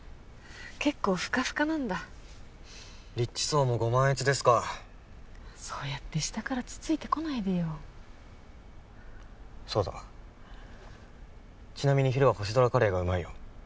結構フカフカなんだリッチ層もご満悦ですかそうやって下からつついてこないでよそうだちなみに昼は星空カレーがうまいよ